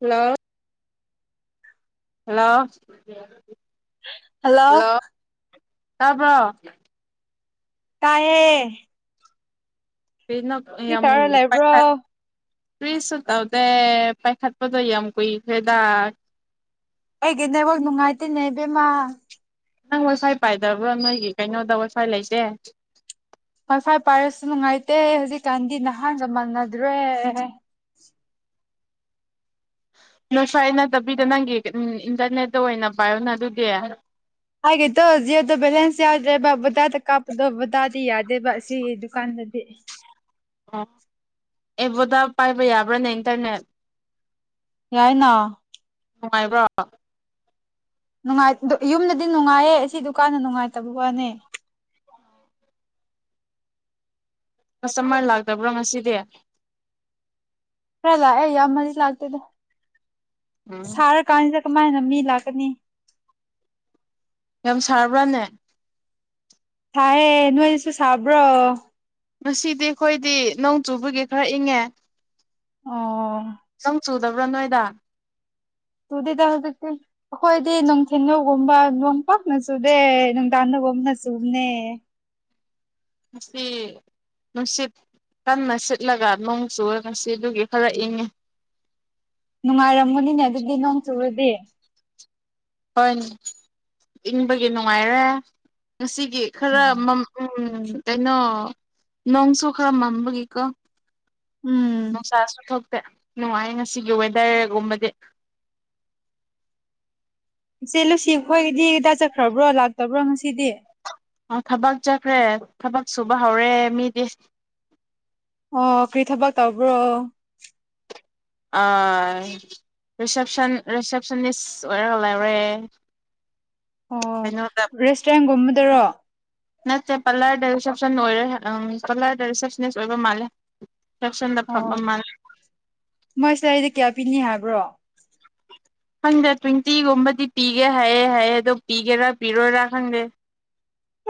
Hello hello ꯍꯜꯂꯥꯎ ꯇꯥꯕꯣ ꯇꯥꯏꯍꯦ ꯀꯔꯤ ꯅꯣꯛ ꯌꯥꯝ ꯄꯠ ꯂꯩꯕ꯭ꯔꯣ ꯄꯠ ꯀꯔ꯭ꯤꯁꯁꯨ ꯇꯧꯗꯦ ꯄꯥꯏꯈꯠꯄꯗꯣ ꯌꯥꯝ ꯀꯨꯏꯈ꯭ꯔꯦꯗ ꯑꯩꯒꯤ ꯅꯦꯠꯋꯥꯛ ꯅꯨꯉꯥꯏꯇꯦꯅꯦ ꯕꯦꯝꯃ ꯅꯪ ꯋꯥꯏꯐꯥꯏ ꯄꯥꯏꯗꯕ꯭ꯔꯥ ꯅꯣꯏꯒꯤ ꯀꯩꯅꯣꯗ ꯋꯥꯏꯐꯥꯏ ꯂꯩꯇꯦ ꯋꯥꯏꯐꯥꯏ ꯄꯥꯏꯔꯁꯨ ꯅꯨꯡꯉꯥꯏꯇꯦ ꯍꯨꯖꯤꯛ ꯀꯥꯟꯗꯤ ꯅꯍꯥꯟꯒ ꯃꯅ ꯗꯔ꯭ꯦ ꯅꯣꯏ ꯐꯥꯏ ꯅꯠꯇꯕꯤꯗ ꯅꯪꯒꯤ ꯀ ꯎꯝ ꯏꯟꯇꯔꯅꯦꯠꯇ ꯑꯣꯏꯅ ꯄꯥꯏꯌꯣꯅ ꯑꯗꯨꯗꯤ ꯑꯩꯒꯤꯗꯣ ꯖꯤꯑꯣꯗ ꯕꯦꯂꯦꯟꯁ ꯌꯥꯎꯗ꯭ꯔꯦꯕ ꯕꯣꯗꯥꯗ ꯀꯥꯞꯄꯗꯣ ꯕꯣꯗꯥꯗꯤ ꯌꯥꯗꯦꯕ ꯁꯤ ꯗꯨꯀꯥꯟꯗꯗꯤ ꯑꯣ ꯑꯦꯕꯣꯗ ꯄꯥꯏꯕ ꯌꯥꯕ꯭ꯔꯥꯅꯦ ꯏꯟꯇꯔꯅꯦꯠ ꯌꯥꯏꯅꯥ ꯅꯨꯡꯉꯥꯏꯕ꯭ꯔꯣ ꯅꯨꯡꯉꯥꯏ ꯗꯨ ꯌꯨꯝꯗꯗꯤ ꯅꯨꯡꯉꯥꯏꯌꯦ ꯑꯁꯤ ꯗꯨꯀꯥꯟꯗ ꯅꯨꯡꯉꯥꯏꯇꯕ ꯋꯥꯅꯦ ꯀꯁꯇꯃꯔ ꯂꯥꯛꯇꯕ꯭ꯔ ꯉꯁꯤꯗꯤ ꯈꯔ ꯂꯥꯛꯑꯦ ꯌꯥꯝ ꯃꯔꯤ ꯂꯥꯛꯇꯦꯗ ꯎꯝ ꯁꯥꯔ ꯀꯥꯟꯗ ꯀꯃꯥꯏꯅ ꯃꯤ ꯂꯥꯛꯀꯅꯤ ꯌꯥꯝ ꯁꯥꯔꯕ꯭ꯔꯥꯅꯦ ꯊꯥꯏꯌꯦ ꯅꯣꯏꯁꯨ ꯁꯥꯕ꯭ꯔꯣ ꯉꯁꯤꯗꯤ ꯑꯈꯣꯏꯗꯤ ꯅꯣꯡ ꯆꯨꯕꯒꯤ ꯈꯔ ꯏꯪꯉꯦ ꯑꯣ ꯆꯨꯗꯕ꯭ꯔꯣ ꯅꯣꯏꯗ ꯇꯨꯗꯦꯗ ꯑꯗꯨꯗꯤ ꯑꯈꯣꯏꯗꯤ ꯅꯨꯡꯊꯤꯟ ꯌꯧꯒꯨꯝꯕ ꯅꯣꯡꯄꯥꯛꯛꯅ ꯆꯨꯗꯦ ꯅꯨꯡꯗꯥꯟꯅꯒꯨꯝꯅ ꯆꯨꯝꯅꯦ ꯉꯁꯤ ꯅꯨꯡꯁꯤꯠ ꯀꯟꯅ ꯁꯤꯠꯂꯒ ꯅꯣꯡ ꯆꯨꯔ ꯉꯁꯤꯗꯨꯒꯤ ꯈꯔ ꯏꯪꯉꯦ ꯅꯨꯡꯉꯥꯏꯔꯝꯒꯅꯤꯅꯦ ꯑꯗꯨꯗꯤ ꯅꯣꯡ ꯆꯨꯔꯗꯤ ꯍꯣꯏ ꯏꯪꯕꯒꯤ ꯅꯨꯡꯉꯥꯏꯔꯦ ꯉꯁꯤꯒꯤ ꯈꯔ ꯎꯝ ꯀꯩꯅꯣ ꯅꯣꯡꯁꯨ ꯈꯔ ꯃꯝꯕꯒꯤꯀꯣ ꯎꯝ ꯃꯪ ꯆꯁꯨ ꯊ ꯅꯨꯡꯉꯥꯏ ꯉꯁꯤꯒꯤ ꯋꯦꯗꯔꯒꯨꯝꯕꯗꯤ ꯏꯆꯦ ꯂꯨꯁꯤ ꯑꯩꯈꯣꯏꯒꯤꯗꯤꯗꯥ ꯆꯠꯈ꯭ꯔꯕ꯭ꯔꯣ ꯂꯥꯛꯇꯕ꯭ꯔꯣ ꯉꯁꯤꯗꯤ ꯑ ꯊꯕꯛ ꯆꯠꯈ꯭ꯔꯦ ꯊꯕꯛ ꯁꯨꯕ ꯍꯧꯔꯦ ꯃꯤꯗꯤ ꯑꯣ ꯀꯔꯤ ꯊꯕꯛ ꯇꯧꯕ꯭ꯔꯣ ꯔꯤꯁꯦꯞꯁꯟ ꯔꯤꯁꯦꯞꯁꯅꯤꯁ ꯑꯣꯏꯔꯒ ꯂꯩꯔꯦ ꯑꯣ ꯀꯩꯅꯣꯗ ꯔꯦꯁꯥꯏꯝꯗ ꯆꯠꯇ꯭ꯔꯣꯛ ꯅꯠꯇꯦ ꯄꯥꯂꯔꯗ ꯔꯤꯁꯦꯞꯁꯟ ꯑꯣꯏꯔꯦ ꯎ ꯄꯥꯂꯔꯗ ꯔꯤꯁꯦꯞꯁꯅꯤꯁ ꯑꯣꯏꯕ ꯃꯥꯜꯂꯦ ꯔꯤꯁꯦꯞꯁꯟꯗ ꯑꯣ ꯐꯝꯕ ꯃꯥꯜꯂꯦ ꯃꯣꯏ ꯁꯤ ꯀꯌꯥ ꯄꯤꯅꯤ ꯍꯥꯏꯕ꯭ꯔꯣ ꯈꯪꯗꯦ ꯇ꯭ꯋꯦꯟꯇꯤꯒꯨꯝꯕꯗꯤ ꯄꯤꯒꯦ ꯍꯥꯏꯌꯦꯦ ꯍꯥꯏꯌꯦ ꯑꯗꯣ ꯄꯤꯒꯦꯔꯥ ꯄꯤꯔꯣꯏꯔꯥ ꯈꯪꯗꯦ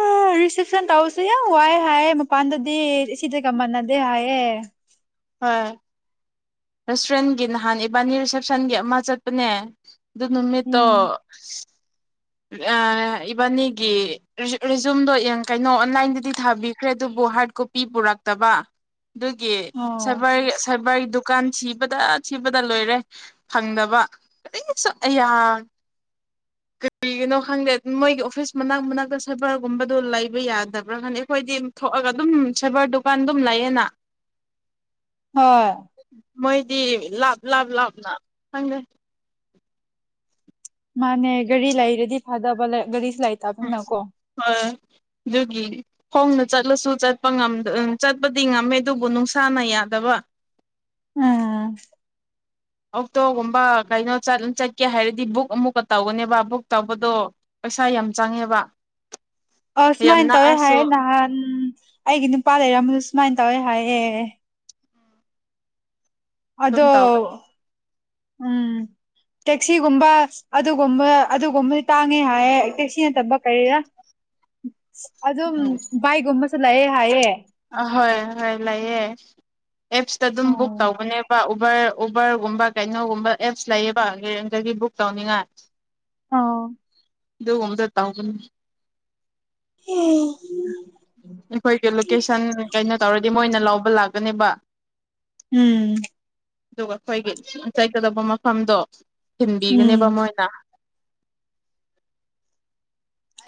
ꯎ ꯔꯤꯁꯦꯞꯁꯟ ꯇꯧꯁꯦ ꯌꯥꯝ ꯋꯥꯏꯦ ꯍꯥꯏꯌꯦꯦ ꯃꯄꯥꯟꯗꯗꯤ ꯁꯤꯗꯤꯒ ꯃꯥꯟꯅꯗꯦ ꯍꯥꯏꯑ ꯍꯝ ꯔꯦꯁꯇꯨꯔꯦꯟꯒꯤ ꯅꯍꯥꯟ ꯏꯕꯥꯅꯤ ꯔꯤꯁꯦꯞꯁꯟꯒꯤ ꯑꯃ ꯆꯠꯄꯅꯦ ꯑꯗꯨ ꯅꯃꯤꯠꯇ ꯎꯝ ꯏꯕꯥꯅꯤꯒꯤ ꯔꯤꯖꯨꯝꯗꯣ ꯌꯦꯡ ꯀꯩꯅꯣ ꯑꯣꯟꯂꯥꯏꯟꯗꯗꯤ ꯊꯥꯕꯤꯈ꯭ꯔꯦ ꯑꯗꯨꯕꯨ ꯍꯥꯔꯠ ꯀꯣꯄꯤ ꯄꯨꯔꯛꯇꯕ ꯑꯗꯨꯒꯤ ꯑꯣ ꯁꯔꯕꯥꯔ ꯁꯔꯕꯥꯔ ꯗꯨꯀꯥꯟꯁꯤ ꯊꯗ ꯊꯤꯕꯗ ꯂꯣꯏꯔꯦ ꯐꯪꯗꯕ ꯀꯔꯤꯁꯨ ꯑꯌꯥ ꯀꯔꯤꯒꯤꯅꯣ ꯈꯪꯗꯦ ꯃꯣꯏꯒꯤ ꯑꯣꯐꯤꯁ ꯃꯅꯥꯛ ꯃꯅꯥꯛꯇ ꯁꯦꯕꯔꯒꯨꯝꯕꯗꯨꯣ ꯂꯩꯕ ꯌꯥꯗꯕ꯭ꯔꯥ ꯈꯪꯗꯦ ꯑꯩꯈꯣꯏꯗꯤ ꯊꯣꯛꯑꯒ ꯑꯗꯨꯝ ꯁꯕꯔ ꯗꯨꯀꯥꯟ ꯑꯗꯨꯝ ꯂꯩꯌꯦꯦꯅ ꯍꯣꯏ꯫ ꯃꯣꯏꯗꯤ ꯂꯥꯞ ꯂꯥꯞ ꯂꯥꯞꯅ ꯈꯪꯗꯦ ꯃꯥꯅꯦ ꯒꯥꯔꯤ ꯂꯩꯔꯗꯤ ꯐꯥꯗꯕ ꯒꯥꯔꯤ ꯂꯩ ꯇꯥꯕꯅ ꯀꯣ ꯍꯣꯏ ꯑꯗꯨꯒꯤ ꯈꯣꯡꯅ ꯆꯠꯂꯁꯨ ꯆꯠꯄ ꯎ ꯆꯠꯄꯗꯤ ꯉꯝꯃꯦ ꯑꯗꯨꯕꯨ ꯅꯨꯡꯁꯥꯅ ꯌꯥꯗꯕ ꯎꯝ ꯑꯣꯛꯇꯣꯒꯨꯝꯕ ꯀꯩꯅꯣ ꯆꯠꯀꯦ ꯍꯥꯏꯔꯗꯤ ꯕꯨꯛ ꯑꯃꯨꯛꯀ ꯇꯧꯒꯅꯦꯕ ꯕꯨꯛ ꯇꯧꯕꯗꯣ ꯄꯩꯁꯥ ꯌꯥꯝ ꯆꯪꯉꯦꯕ ꯑ ꯌꯥꯝ ꯁꯨꯃꯥꯏꯅ ꯇꯧꯋꯦ ꯍꯥꯏ ꯅꯛꯑꯁꯨ ꯅꯍꯥꯟ ꯑꯩꯒꯤ ꯅꯨꯄꯥ ꯂꯩꯔꯝꯕꯗ ꯁꯨꯃꯥꯏꯅ ꯇꯧ ꯇꯏ ꯍꯥꯏꯌꯦꯑꯌꯦ ꯑꯗꯣ ꯑꯗꯨꯝ ꯇꯧꯒꯅꯤ ꯎꯝ ꯇꯦꯛꯁꯤꯒꯨꯝꯕ ꯑꯗꯨꯒꯨꯝꯕ ꯑꯗꯨꯒꯨꯝꯕꯗꯤ ꯇꯥꯡꯉꯦ ꯍꯥꯏꯌꯦ ꯇꯦꯛꯁꯤ ꯅꯠꯇꯕ ꯀꯔꯤꯔꯥ ꯑꯗꯨ ꯥꯏꯒꯨꯝꯃꯁ ꯂꯩꯑꯌꯦ ꯍꯥꯏꯌꯦꯑꯌꯦ ꯑ ꯍꯣꯏ ꯍꯣꯏ ꯂꯩꯥꯏꯌꯦ ꯑꯦꯞꯁꯇ ꯑꯗꯨꯝ ꯕꯨꯛ ꯑꯣ ꯇꯧꯕꯅꯦꯕ ꯎꯕꯔ ꯎꯕꯔꯒꯨꯝꯕ ꯀꯩꯅꯣꯒꯨꯝꯕ ꯑꯦꯞꯁ ꯂꯩꯌꯦꯕ ꯗꯒꯤ ꯕꯨꯛ ꯇꯧꯅꯤꯡꯉꯥꯏ ꯎꯝ ꯗꯨ ꯒꯨꯝꯕꯗꫭ ꯇꯥꯎꯖꯟ ꯑꯩꯈꯣꯏꯒꯤ ꯂꯣꯀꯦꯁꯟ ꯀꯩꯅꯣ ꯇꯧꯔꯗꯤ ꯃꯣꯏꯅ ꯂꯧꯕ ꯂꯥꯛ ꯀꯅꯦꯕꯥ ꯎꯝ ꯑꯗꯨꯒ ꯑꯩꯈꯣꯏꯒꯤ ꯆꯩꯠ ꯀꯗꯕ ꯃꯐꯝꯗꯣ ꯊꯤꯟꯕꯤꯒꯅꯦꯕ ꯎꯝ ꯃꯣꯏꯅ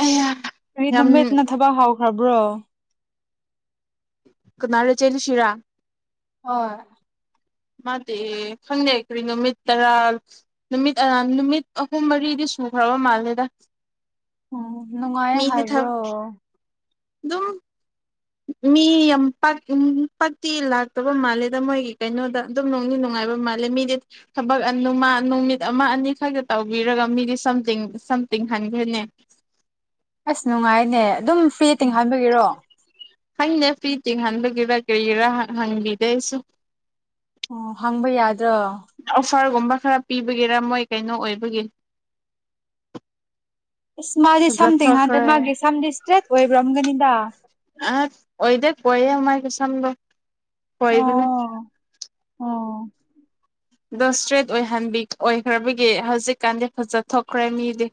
ꯑꯌꯥ ꯀꯔꯤ ꯌꯥꯝ ꯅꯨꯃꯤꯠꯅ ꯊꯕꯛ ꯍꯥꯥꯎ ꯈꯔ ꯕ꯭ꯔꯣ ꯀꯅꯥꯔ ꯆꯦ ꯂꯨꯁꯤꯔꯥ ꯍꫭꯏ ꯃꯥꯗꯤ ꯈꯪꯗꯦ ꯀꯔꯤ ꯅꯨꯃꯤꯠ ꯇꯔꯥ ꯅꯨꯃꯤꯠ ꯑꯥ ꯅꯨꯃꯤꯠ ꯑꯍꯨꯝ ꯃꯔꯤꯗꯤ ꯁꯨꯈ꯭ꯔꯕ ꯃꯥꯜꯂꯦꯗ ꯑꯣ ꯅꯨꯡꯉꯥꯏꯌꯦ ꯍꯥꯏꯕ꯭ꯔꯣ ꯗꯨꯝ ꯃꯤ ꯌꯥꯝ ꯄꯥꯛ ꯎꯝ ꯄꯥꯛꯇꯤ ꯂꯥꯛꯇꯕ ꯃꯥꯜꯂꯦꯗ ꯃꯣꯏꯒꯤ ꯀꯩꯅꯣꯗ ꯑꯗꯨꯝ ꯅꯨꯡꯗꯤ ꯅꯨꯡꯉꯥꯏꯕ ꯃꯥꯜꯂꯦ ꯃꯤꯗꯤ ꯊꯕꯛ ꯑ ꯅꯨ ꯃꯥ ꯅꯨꯃꯤꯠ ꯑꯃ ꯑꯅꯤ ꯈꯛꯇ ꯇꯧꯕꯤꯔꯒ ꯃꯤꯗꯤ ꯁꯝꯊꯤꯡ ꯁꯝꯊꯤꯡ ꯍꯟꯗ꯭ꯔꯦꯠꯅꯦ ꯑꯁ ꯅꯨꯡꯉꯥꯏꯅꯦ ꯑꯗꯨꯝ ꯐ꯭ꯔꯤꯇꯤꯡ ꯍꯥꯟꯕꯒꯤꯔꯣ ꯈꯪꯗꯦ ꯐꯤ ꯇꯤꯡꯍꯟꯕꯒꯤꯔ ꯀꯔꯤꯒꯤꯔꯥ ꯍꯪꯕꯤꯗꯦ ꯑꯩꯁꯨ ꯑꯣ ꯍꯪꯕ ꯌꯥꯗ ꯗ꯭ꯔꫭ ꯐꯥꯔꯒꯨꯝꯕ ꯈꯔ ꯄꯤꯕꯒꯤꯔꯥ ꯃꯣꯏ ꯀꯩꯅꯣ ꯑꯣꯏꯕꯒꯤ ꯏꯁ ꯃꯥꯗꯤ ꯁꯝ ꯐꯖꯊꯈ꯭ꯔꯦ ꯇꯤꯡꯍꯟꯗ꯭ꯔꯦ ꯃꯥꯒꯤ ꯁꯝꯗꯤ ꯇ꯭ꯔꯦꯠ ꯑꯣꯏꯕ꯭ꯔꯝꯒꯅꯤꯗ ꯑꯠ ꯑꯣꯏꯗꯦ ꯈꫭꯏꯌꯦ ꯃꯥꯏꯒꯤ ꯁꯝꯗꫭ ꯈꫭꯏꯕꯅꯦ ꯑꯣ ꯑꯣ ꯗꯣ ꯁꯇ꯭ꯔꯦꯠ ꯑꯣꯏꯍꯟꯕꯤ ꯑꫭꯏꯍꯟꯈ꯭ꯔꯕꯒꯤ ꯍꯧꯖꯤꯛꯀꯥꯟꯗꯤ ꯐꯖ ꯊꯣꯛꯈ꯭ꯔꯦ ꯃꯤꯗꯤ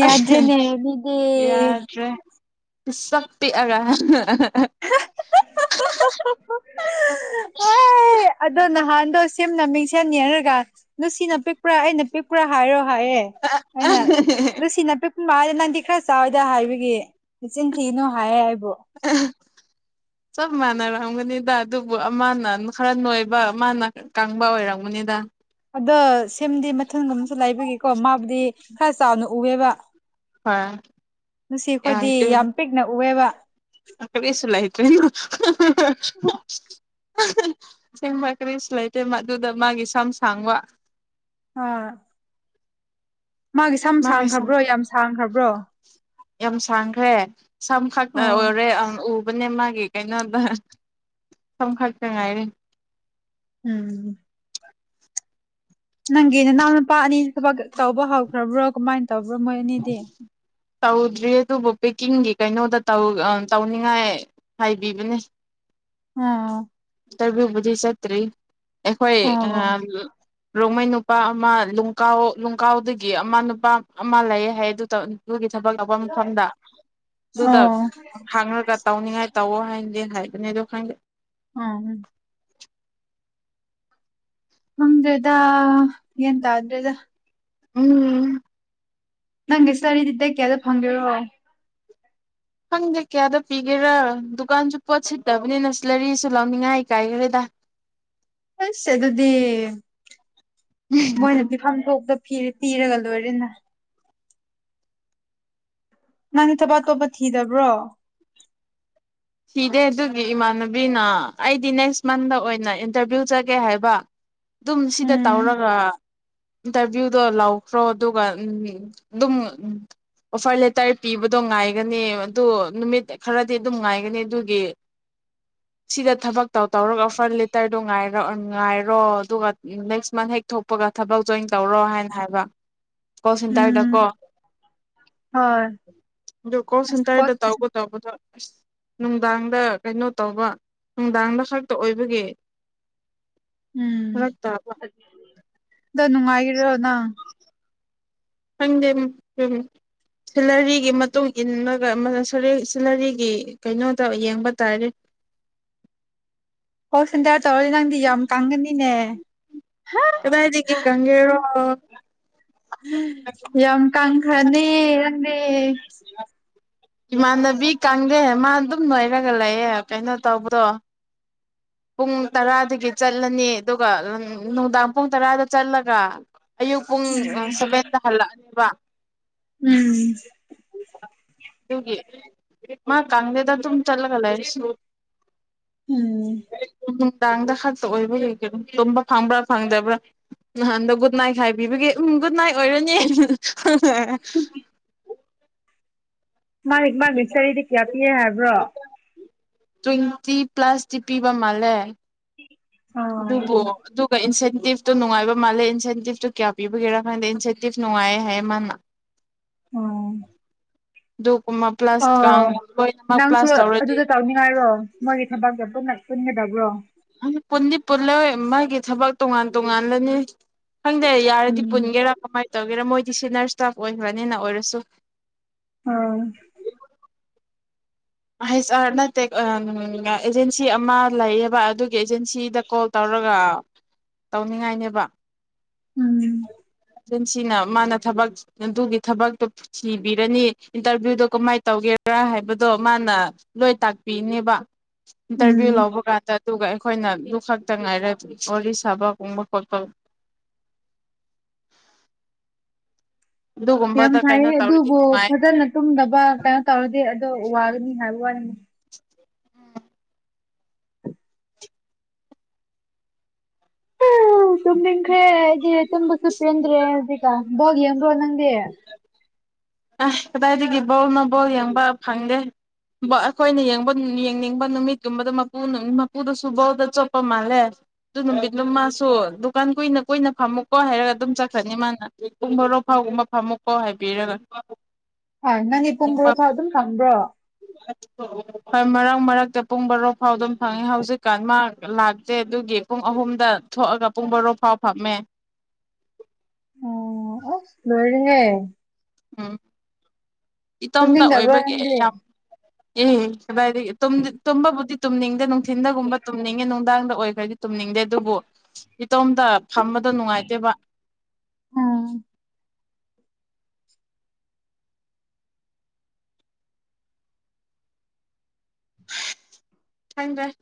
ꯌꯥꯗ꯭ꯔꯦꯅꯦ ꯗꯨꯗꯤ ꯌꯥꯗ꯭ꯔꯦ ꯄꯤꯁꯛ ꯄꯤꯛꯑꯒ ꯑꯗꯨ ꯅꯍꯥꯟꯗ ꯁꯦꯝꯅ ꯃꯤꯡꯁꯦꯟꯅꯤ ꯍꯥꯏꯔꯒ ꯅꯨꯡꯁꯤꯅ ꯄꯤꯛꯄ꯭ꯔꯥ ꯑꯩꯅ ꯄꯤꯛꯄ꯭ꯔꯥ ꯍꯥꯏꯌꯦ ꯑꯩꯅ ꯂꯨꯁꯤꯅ ꯄꯤꯛ ꯃꯥꯅ ꯅꯪꯗꯤ ꯈ꯭ꯔ ꯆꯥꯎꯏꯗ ꯍꯥꯏꯕꯒꯤ ꯏꯆꯤꯟ ꯊꯅꯣ ꯍꯥꯏꯌꯦ ꯍꯥꯏ ꯕ꯭ꯔꫭ ꯆꯞ ꯃꯥꯟꯅꯔꯝꯒꯅꯤꯗ ꯑꯗꯨꯕꯨ ꯑꯃꯅ ꯈꯔ ꯅꯣꯏꯕ ꯃꯥꯅ ꯀꯪꯕ ꯑꯣꯏꯔꯝꯒꯅꯤꯗ ꯗ꯭ꯁ ꯊꯝꯗꯤ ꯃꯊꯟꯒꯨꯝ ꯑꯃꯁꯨ ꯂꯩꯥꯏꯕꯒꯤꯀꯣ ꯃꯥꯕꯨꯗꯤ ꯈꯔ ꯆꯥꯎꯅ ꯎꯋꯦꯕ ꯍꯣꯏ ꯉꯁꯤ ꯑꯩꯈꯣꯏꯗꯤ ꯌꯥꯗꯦ ꯌꯥꯝ ꯄꯤꯛꯅ ꯎꯑꯦꯕ ꯀꯔꯤꯁꯨ ꯂꯩꯇ꯭ꯔꯦ [inaudible] [inaudible] ꯆꯦꯡꯕ ꯀꯔꯤꯁꯨ ꯂꯩꯇꯦ ꯑꯗꯨꯗ ꯃꯥꯒꯤ ꯁꯝ ꯁꯥꯡꯕ ꯑꯥ ꯃꯥꯒꯤ ꯁꯝ ꯁꯥꯡꯈ꯭ꯔꯕ꯭ꯔꯣ ꯌꯥꯝ ꯁꯥꯡꯈ꯭ꯔꯕ꯭ꯔꯣ ꯌꯥꯝ ꯁꯥꯡꯈ꯭ꯔꯦ ꯁꯝꯈꯛ ꯎꯝ ꯑꯣꯏꯔꯦ ꯎ ꯅꯦ ꯃꯥꯒꯤꯦ ꯀꯩꯅꯣꯗ ꯁꯝ ꯈꯔ ꯆ ꯉꯥꯏꯔꯦ ꯎꯝ ꯅꯪꯦꯅꯦ ꯅ ꯄꯥ ꯑꯅꯤ ꯊꯕꯛ ꯇꯧꯕ ꯍꯧꯥꯎ ꯐ꯭ꯔꯔꯕ꯭ꯔꯣ ꯀꯃꯥꯏ ꯇꯕ꯭ꯔꯣ ꯃꯣꯏꯅꯦꯗꯤ ꯇꯧꯗ꯭ꯔꯤ ꯑꯗꯨꯕꯨ ꯄꯦꯛꯀꯤꯡꯒꯤ ꯀꯩꯅꯣꯗ ꯇꯧꯅꯤꯡꯉꯥꯏ ꯍꯥꯏꯕꯤꯕꯅꯦ ꯑꯥ ꯔ ꯎꯕꯨꯗꯤꯁꯇꯔꯤ ꯑꯩꯈꯣꯏ ꯑꯣ ꯔꯣꯡꯃꯨ ꯅꯨꯄꯥ ꯑꯃ ꯂꯀꯥꯎ ꯂꯅꯨꯡꯀꯥꯎꯗꯒꯤ ꯑꯃ ꯅꯨꯄꯥ ꯑꯃ ꯂꯩꯌꯦ ꯍꯥꯏ ꯊꯕꯛ ꯂꯧꯕ ꯃꯇꯝꯗ ꯑꯗꯨꯗ ꯑꯣ ꯍꯥꯡꯉꯒ ꯇꯧꯅꯤꯡꯉꯥꯏ ꯇꯧꯑꯣ ꯍꯥꯏꯅꯗꯤꯦ ꯍꯥꯏꯕꯅꯦ ꯑꯗꯣ ꯈꯪꯗꯦ ꯎꯝ ꯅꯗ꯭ꯔꯗ ꯌꯦ ꯇ ꯑꯗꯨꯗ꯭ꯔꯦꯗ ꯎꯝ ꯅꯪꯁꯔꯤꯗꯗ ꯀꯦꯗꯣ ꯐꯪꯒꯣ ꯍꯪꯗꯦ ꯀꯌꯥꯗ ꯄꯤꯒꯦꯔꯥ ꯗꯨꯀꯥꯟꯁꯨ ꯄꯣꯠ ꯁꯤꯠꯇꯕꯅꯤꯅ ꯁꯤꯂꯔꯤꯁꯨ ꯂꯧꯅꯤꯡꯉꯥꯏ ꯀꯥꯏꯈꯔꯦꯗ ꯑꯁꯦ ꯑꯗꯨꯗꯤ ꯃꯣꯏꯅ ꯄꯤꯐꯝ ꯊꯣꯛꯇ ꯐꯔ ꯇꯤꯔꯒꯜ ꯑꯣꯏꯔꯅ ꯅꯪꯒꯤ ꯊꯕꯛ ꯑꯇꯣꯞꯄ ꯊꯤꯗꯕ꯭ꯔꯣ ꯁꯤꯤꯗꯦ ꯑꯗꯨꯒꯤ ꯏꯃꯥꯟꯅꯕꯤꯅ ꯑꯩꯗꯤ ꯅꯦꯛꯁ ꯃꯟꯗ ꯑꯣꯏꯅ ꯏꯟꯇꯔꯚꯤꯌꯨ ꯆꯒꯦ ꯍꯥꯏꯕ ꯑꯗꯨꯝ ꯁꯤꯗ ꯎꯝ ꯇꯧꯔꯒ ꯏꯟꯇꯔꯚꯤꯌꯨꯗꯣ ꯂꯥꯎꯈ꯭ꯔꯣ ꯑꯗꯨꯒ ꯑꯗꯨꯝ ꯑꯣꯐꯔ ꯂꯦꯇꯔ ꯄꯤꯕꯗꯣ ꯉꯥꯏꯒꯅꯤ ꯑꯗꯨ ꯅꯨꯃꯤꯠ ꯈꯔꯗꯤ ꯑꯗꯨꯝ ꯉꯥꯏꯒꯅꯤ ꯊꯔꯒꯔꯦꯇꯔꯔꯣ ꯑꯗꯨꯒ ꯅꯦꯛꯁ ꯃꯟ ꯍꯦꯛꯄꯒ ꯊꯕꯛ ꯖꯣꯏꯟ ꯇꯧꯔꯣ ꯍꯥꯏꯅ ꯍꯥꯏꯕ ꯀꯣꯜ ꯁꯦꯟꯇꯔꯗꯀꯣ ꯎꯝ ꯍꯣꯏ ꯑꯗꯨ ꯀꯣꯜ ꯑꯁ ꯀꯣ ꯁꯦꯟꯇꯔꯗ ꯇꯧꯒ ꯇꯧꯕꯗꯣ ꯑꯁ ꯅꯨꯡꯗꯥꯡꯗ ꯀꯩꯅꯣ ꯇꯧꯕ ꯅꯨꯡꯗꯥꯡꯗ ꯈꯛꯇ ꯑꯣꯏꯕꯒꯤ ꯎꯝ ꯐꯔꯛ ꯇꯥꯕ ꯑ ꯅꯨꯡꯉꯥꯏꯈꯔꯣ ꯅꯪ ꯈꯪꯗꯦ ꯎ ꯁꯤꯂꯔꯤꯒꯤ ꯃꯇꯨꯡ ꯏꯜꯂꯒꯦꯡ ꯁꯤꯂꯔꯤꯒꯤ ꯀꯩꯅꯣꯗ ꯌꯦꯡꯕ ꯇꯥꯔꯦ ꯍꯣꯛ ꯁꯦꯟꯇꯔ ꯇꯧꯔꯗꯤ ꯅꯪꯗꯤ ꯌꯥꯝ ꯀꯥꯡꯒꯅꯤꯅꯦ ꯀꯗꯥꯏꯗꯒꯤ ꯀꯪꯒꯦꯔꯣ ꯌꯝ ꯀꯪꯈꯅꯤ [unintelligible] ꯁꯤꯛꯁ ꯏꯃꯥꯟꯅꯕꯤ ꯀꯥꯡꯗꯦ ꯃꯥ ꯑꯗꯨꯝ ꯅꯣꯏꯔꯒ ꯂꯩꯌꯦ ꯀꯩꯅꯣ ꯇꯧꯕꯗꯣ ꯄꯨꯡ ꯇꯔꯥꯗꯒꯤ ꯆꯠꯂꯅꯤ ꯑꯗꯨꯒ ꯅꯨꯡꯗꯥꯡ ꯄꯨꯡ ꯇꯔꯥꯗ ꯆꯠꯂꯒ ꯑꯌꯨꯛ ꯄꯨꯡ ꯁꯚꯦꯟꯗ ꯍꯜꯂꯛꯑꯅꯦꯕ ꯎꯝ ꯑꯗꯨꯒꯤ ꯃꯥ ꯀꯥꯡꯗꯦꯗ ꯇ ꯆꯠꯂꯒꯂ ꯁ ꯎꯝ ꯎꯝ ꯥꯡꯗ ꯈꯛꯇ ꯑꯣꯏꯕꯒꯤ ꯇꯨꯝꯕ ꯐꯪꯕ꯭ꯔꯥ ꯐꯪꯗꯕ꯭ꯔꯥ ꯅꯍꯥꯟꯗ ꯒꯨꯗ ꯅꯥꯏꯠ ꯈ ꯍꯥꯏꯕꯤꯕꯒꯦ ꯎꯝ ꯒꯨꯗ ꯅꯥꯏꯠ ꯑꯣꯏꯔꯅꯤ ꯍ ꯃꯥꯥꯡ ꯃꯥꯥꯡ ꯁꯔꯤꯗꯛ ꯏꯦ ꯍꯥꯏꯕ꯭ꯔꯣ ꯇ꯭ꯋꯦꯟꯇꯤ ꯄ꯭ꯂꯁꯇꯤ ꯄꯤꯕ ꯃꯥꯜꯂꯦ ꯑꯣ ꯑꯗꯨꯕꯨꯣꯒ ꯏꯟꯁꯥꯏ ꯏꯦꯟꯇꯤꯞꯇꯣ ꯅꯨꯡꯉꯥꯏ ꯃꯥꯜꯂꯦ ꯏꯟꯁꯦꯟꯇꯤꯞꯇꯨ ꯀꯌꯥ ꯄꯤꯕꯤꯒꯦꯔꯥ ꯈꯥꯟꯗ ꯏꯟꯁꯦꯟꯇꯤꯞ ꯅꯨꯡꯉꯥꯏ ꯍꯥꯏꯌꯦ ꯃꯥꯅ ꯎ ꯗꯣꯛ ꯑꯣ ꯅꯪꯁꯨ ꯇꯧꯔꯗꯤ ꯑꯗꯨꯗ ꯇꯧꯅꯤꯡꯉꯥꯏꯔꯣ ꯃꯣꯏꯒꯤ ꯊꯕꯛꯁꯦ ꯄꯨꯝꯟꯅ ꯄꯨꯟꯒꯗꯕ꯭ꯔꯣ ꯄꯨꯟꯗꯤ ꯄꯨꯜꯂꯣꯏ ꯃꯥꯒꯤ ꯊꯕꯛ ꯇꯣꯉꯥꯟ ꯇꯣꯉꯜꯂꯅꯤ ꯈꯪꯗꯔꯦ ꯌꯥꯔꯗꯤ ꯎꯝ ꯄꯨꯟꯒꯦꯔꯥ ꯀꯃꯥꯏ ꯇꯧꯒꯦꯔꯥ ꯃꯣꯏꯗꯤ ꯁꯤꯅꯔ ꯏꯁꯇꯥꯐ ꯑꯣꯏꯈ꯭ꯔꯅꯤꯅ ꯑꯣꯏꯔꯁꯨ ꯑꯥ ꯍꯩꯁ ꯑꯥꯔ ꯅꯠꯇ ꯑꯦꯖꯦꯟꯁꯤ ꯑꯃ ꯂꯩꯌꯦꯕ ꯑꯗꯨꯒꯤ ꯑꯦꯖꯦꯟꯁꯤꯗ ꯀꯣꯜ ꯇꯧꯔꯒ ꯇꯧꯅꯤꯡꯉꯥꯏꯅꯦꯕ ꯎꯝ ꯑꯦꯖꯦꯟꯁꯤꯅ ꯃꯥꯅ ꯊꯕꯛ ꯑꯗꯨꯒꯤ ꯊꯕꯛꯇꯣ ꯁꯤꯕꯤꯔꯅꯤ ꯏꯟꯇꯔꯚꯤꯌꯨꯗꯣ ꯀꯃꯥꯏꯅ ꯇꯧꯒꯦꯔꯥ ꯍꯥꯏꯕꯗꯣ ꯃꯥꯅ ꯂꯣꯏ ꯇꯥꯛꯄꯤꯅꯦꯕ ꯏꯇꯔꯕꯤꯌꯨ ꯎꯝ ꯂꯕꯨꯒ ꯇ ꯑꯗꯨꯒ ꯑꯩꯈꯣꯏꯅꯗꯨ ꯈꯛꯇ ꯉꯥꯏꯔ ꯋꯥꯔꯤ ꯁꯥꯕꯒꯨꯝꯕ ꯈꯣꯠꯄ ꯌꯥꯝ ꯑꯗꯨꯒꯨꯝꯕꯗ ꯀꯩꯅꯣ ꯐꯥꯏꯌꯦ ꯇꯧꯔꯗꯤ ꯑꯗꯨꯕꯨ ꯅꯨꯡꯉꯥꯏ ꯍꯥꯏ ꯐꯖꯅ ꯇꯨꯝꯗꯕ ꯀꯩꯅꯣ ꯇꯧꯔꯗꯤ ꯋꯥꯒꯅꯤ ꯍꯥꯏꯕ ꯋꯥꯅꯤ ꯎꯝ ꯑꯥ ꯇꯨꯝꯅꯤꯡꯈꯔ꯭ꯦ ꯑꯩꯗꯤ ꯇꯨꯝꯕꯁꯨ ꯄꯦꯟꯗꯔ꯭ꯦ ꯍꯧꯖꯤꯛꯀꯥꯟ ꯕꯣꯜ ꯌꯦꯡꯕꯔ꯭ꯣ ꯅꯪꯗꯤ ꯁꯤ ꯑꯁ ꯀꯗꯥꯏꯗꯒꯤ ꯕꯣꯜꯅꯣ ꯕꯣꯜ ꯌꯦꯡꯕ ꯐꯪꯗꯦ ꯑꯩꯈꯣꯏꯅ ꯌꯦꯡꯕ ꯌꯦꯡꯅꯤꯡꯕ ꯅꯨꯃꯤꯠꯀꯨꯝꯕꯗ ꯃꯨ ꯃꯄꯨꯗꯁꯨ ꯕꯣꯜꯗ ꯆꯣꯞꯄ ꯃꯥꯜꯂꯦ ꯑꯗꯨ ꯅꯨꯃꯤꯠꯂ ꯃꯥꯁꯨ ꯗꯨꯀꯥꯟ ꯀꯨꯏꯅ ꯀꯨꯏꯅ ꯐꯝꯃ ꯀꯣꯏ ꯍꯥꯏꯔꯒ ꯑꯗꯨꯝ ꯆꯠꯈ꯭ꯔꯅꯤ ꯃꯥꯅ ꯄꯨꯡ ꯕꯥꯔꯣ ꯐꯥꯎꯒꯨꯝꯕ ꯐꯥꯃꯨꯀꯥꯎ ꯍꯥꯏꯕꯤꯔꯒ [unintelligible] ꯍꯥ ꯅꯪꯒꯤ ꯄꯨꯡ ꯌꯦꯡꯕ ꯕꯥꯔꯣꯐꯥꯎ ꯑꯗꯨꯝ ꯐꯝꯕ꯭ꯔꯣ ꯍꯣꯏ ꯃꯔꯛ ꯃꯔꯛꯇ ꯄꯨꯡ ꯕꯔꯣ ꯐꯥꯎ ꯑꯗꯨꯝ ꯐꯪꯝꯃꯦ ꯍꯧꯖꯤꯛꯀꯥꯟ ꯃꯥ ꯂꯥꯛꯇꯦ ꯑꯗꯨꯒꯤ ꯄꯨꯡ ꯑꯍꯨꯝꯗ ꯊꯣꯛꯑꯒ ꯄꯨꯡ ꯕꯔꯣ ꯐꯥꯎ ꯐꯝꯃꯦ ꯑꯣ ꯑꯁ ꯂꯣꯏꯔꯦ ꯉꯦ [unintelligible] ꯎꯝ ꯏꯇꯣꯝꯇ ꯇꯨꯝꯅꯤꯡꯗꯕꯔ꯭ꯣ ꯑꯣꯏꯕꯒꯤ ꯅꯪꯗꯤ ꯌꯥꯝ ꯑꯦ ꯀꯗꯥꯏꯗꯒꯤ ꯇꯨꯝꯕꯕꯨꯗꯤ ꯇꯨꯝꯅꯤꯡꯗꯦ ꯅꯨꯡꯊꯤꯟꯗꯒꯨꯝꯕ ꯇꯨꯝꯅꯤꯡꯉꯦ ꯅꯨꯡꯗꯥꯡꯗ ꯑꯣꯏꯈ꯭ꯔꯗꯤ ꯇꯨꯝꯅꯤꯡꯗꯦ ꯑꯗꯨꯕꯨ ꯏꯇꯣꯝꯗ ꯐꯝꯕꯗ ꯅꯨꯡꯉꯥꯏꯇꯦꯕ ꯎꯝ ꯈꯪꯗꯔꯦ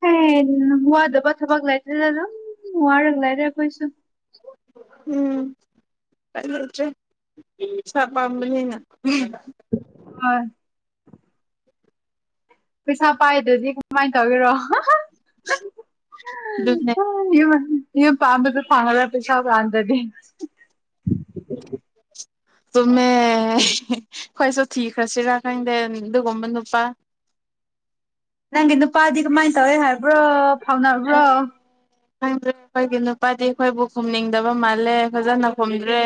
ꯍꯦ ꯋꯥꯗꯕꯥ ꯊꯕꯥꯛ ꯂꯩꯇꯦꯗ ꯗꯨꯝ ꯋꯥꯔꯒ ꯂꯩꯔꯦ ꯑꯩꯈꯣꯏꯁꯨ ꯎꯝ ꯆꯥꯅꯤꯡꯗꯔ꯭ꯦ ꯁꯥ ꯄꯥꯝꯕꯅꯤꯩꯅ ꯎꯝ ꯑꯥ ꯄꯩꯁꯥ ꯄꯥꯏꯗꯔ꯭ꯥꯗꯤ ꯀꯃꯥꯏ ꯇꯧꯒꯦꯔꯣ ꯍ ꯑꯗꯨꯅꯦ ꯏ [unintelligible] ꯏ ꯄꯥꯝꯕ ꯐꯉꯗ ꯄꯩꯁꯥ ꯀꯥꯟꯗꯗꯤꯦ [unintelligible] ꯇꯨꯝꯃꯦ ꯑꯩꯈꯣꯏꯁꯨ ꯊꯤꯈ꯭ꯔꯁꯤꯔꯥ ꯈꯪꯗꯦ ꯑꯗꯨꯒꯨꯝꯕ ꯅꯨꯄꯥ ꯅꯪꯒꯤ ꯅꯨꯄꯥꯗꯤ ꯀꯃꯥꯏꯅ ꯇꯧꯋꯦ ꯍꯥꯏꯕ꯭ꯔꯣ ꯇꯧꯅꯕ꯭ꯔꯣ ꯑꯦ ꯈꯪꯗ꯭ꯔꯦ ꯑꯩꯈꯣꯏꯒꯤ ꯅꯨꯄꯥꯗꯤ ꯑꯩꯈꯣꯏꯕꯨ ꯈꯨꯝꯅꯤꯡꯗꯕ ꯃꯥꯜꯂꯦ ꯐꯖꯅ ꯈꯨꯝꯗ꯭ꯔꯦ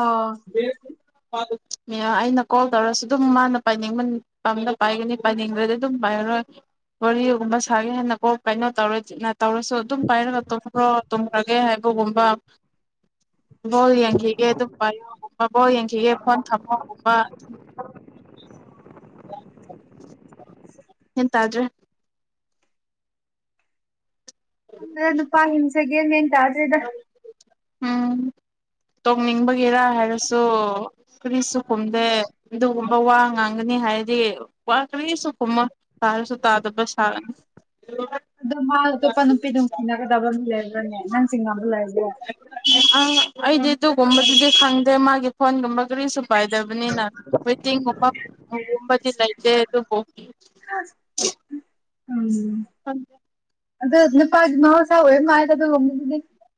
ꯑꯣ ꯍ [unintelligible] ꯑꯩꯅ ꯀꯣꯜ ꯇꯧꯔꯁꯨ ꯑꯗꯨꯝ ꯃꯥꯅ ꯄꯥꯏꯅꯤꯡꯕ ꯄꯥꯝꯗ ꯄꯥꯏꯒꯅꯤ ꯄꯥꯏꯅꯤꯡꯗ꯭ꯔꯗꯤ ꯑꯗꯨꯝ ꯄꯥꯏꯔꯔꯣꯏ ꯋꯥꯔꯤꯒꯨꯝꯕ ꯐꯔꯦ ꯍꯥꯏꯅ ꯀꯣ ꯀꯩꯅꯣ ꯇꯧꯔꯥꯁꯨ ꯇꯧꯔꯁꯨ ꯑꯗꯨꯝ ꯄꯥꯏꯔꯒ ꯇꯨꯝꯈ꯭ꯔꯣ ꯇꯨꯝꯈ꯭ꯔꯒꯦ ꯍꯥꯏꯕ ꯑꯗꯨꯒꯨꯝꯕ ꯕꯣꯜ ꯌꯦꯡꯈꯤꯒꯦ ꯑꯗꯨꯝ ꯄꯥꯏꯌꯣꯒꯨꯝꯕ ꯕꯣꯜ ꯌꯦꯡꯈꯤꯒꯦ ꯐꯣꯟ ꯊꯝꯃꯣꯒꯨꯝꯕ ꯎ [unintelligible] ꯒꯌ꯭ꯥꯟ ꯇꯗ꯭ꯔꯦ [inaudible] ꯈꯪꯗ꯭ꯔ‌ꯦ ꯅꯨꯄꯥꯁꯤꯡ ꯁ‌ꯦꯀ‌ꯦꯜꯍ‌ꯦꯟ ꯌꯥꯗ‌ꯦꯗ ꯇꯣꯡꯅꯤꯡꯕꯒꯤꯔꯥ ꯍꯥꯏꯔꯁꯨ ꯀꯔꯤꯁꯨ ꯈꯨꯝꯗꯦ ꯑꯗꯨꯒꯨꯝꯕ ꯋꯥ ꯉꯥꯡꯒꯅꯤ ꯍꯥꯏꯔꯗꯤ ꯋꯥ ꯀꯔꯤꯁꯨ ꯈꯨꯝꯃꯣꯏ ꯁꯥꯔꯁꯨ ꯇꯥꯗꯕ ꯁꯥꯔꯅꯤ ꯑꯗꯣ ꯃꯥ ꯑꯇꯣꯞꯄ ꯅꯨꯄꯤꯗꯨ ꯅꯨꯡꯁꯤꯅꯒꯗꯕ ꯃꯤ ꯂꯩꯔꯨꯔꯅꯦ ꯅꯪ ꯆꯤꯡꯅꯕꯂꯩꯕ꯭ꯔ‌ꯣ ꯑ ꯑꯩꯗꯤ ꯑꯗꯨꯒꯒꯨꯝꯕꯗꯨꯗꯤ ꯈꯪꯗꯦ ꯃꯥꯒꯤ ꯐꯣꯟꯒꯨꯝꯕ ꯀꯔꯤꯁꯨ ꯄꯥꯏꯗꯕꯅꯤꯅ ꯋꯦꯇꯤꯡꯒꯨꯝꯕꯒꯨꯝꯕꯗꯤ ꯂꯩꯇꯦ ꯑꯗꯨꯕꯨ ꯎꯝ ꯑꯗ ꯅꯨꯄꯥꯒꯤ ꯃꯍꯧꯁꯥ ꯑꯣꯏꯌꯛꯃ ꯍꯥꯏꯕꯗ‌ꯣ [unintelligible]